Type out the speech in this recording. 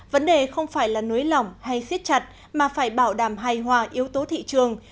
vấn đề không phải là nới lỏng hay siết chặt mà phải bảo đảm hài hòa yếu tố thị trường